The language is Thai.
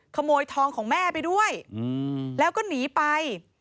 ขโมยทองของแม่ไปด้วยแล้วก็หนีไป